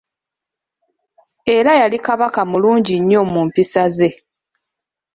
Era yali Kabaka mulungi nnyo mu mpisa ze.